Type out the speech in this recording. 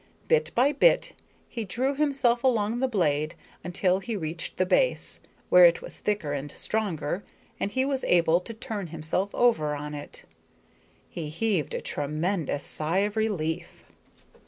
Bit by bit he drew himself along the blade until he reached the base, where it was thicker and stronger, and he was able to turn himself over on it. He heaved a tremendous sigh of relief.